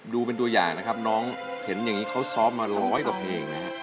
ดูเป็นตัวอย่างนะครับน้องเห็นอย่างนี้เขาซ้อมมาร้อยกว่าเพลงนะครับ